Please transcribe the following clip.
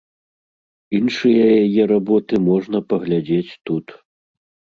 Іншыя яе работы можна паглядзець тут.